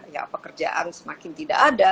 ya pekerjaan semakin tidak ada